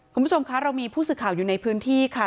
คุณผู้ชมคะเรามีผู้สื่อข่าวอยู่ในพื้นที่ค่ะ